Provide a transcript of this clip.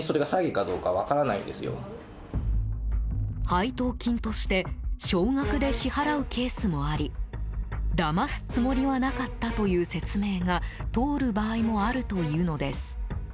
配当金として少額で支払うケースもありだますつもりはなかったという説明が通る場合もあるというのです。